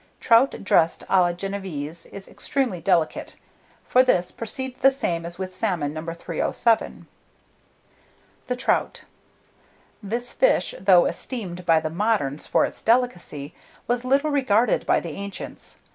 Trout dressed a la Génévese is extremely delicate; for this proceed the same as with salmon, No. 307. [Illustration: THE TROUT.] THE TROUT. This fish, though esteemed by the moderns for its delicacy, was little regarded by the ancients.